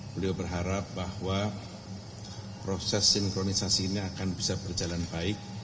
beliau berharap bahwa proses sinkronisasi ini akan bisa berjalan baik